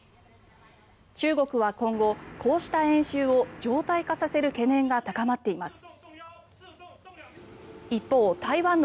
中国は今後、こうした演習を常態化させる懸念が高まっています。